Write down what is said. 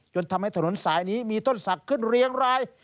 จนทำให้ถนนสายนี้มีต้นศักดิ์ขึ้นเรียงราย